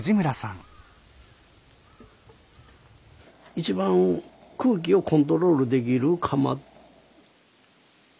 一番空気をコントロールできる窯。